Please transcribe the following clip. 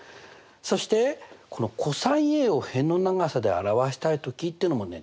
そしてこのｃｏｓＡを辺の長さで表したいときっていうのもね